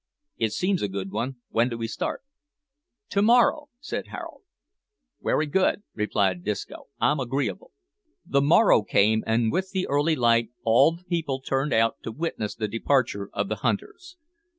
"It seems a good one. When do we start?" "To morrow," said Harold. "Wery good," replied Disco, "I'm agreeable." The morrow came, and with the early light all the people turned out to witness the departure of the hunters.